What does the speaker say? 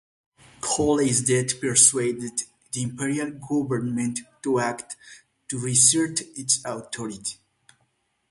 Colley's death persuaded the Imperial government to act, to reassert its authority.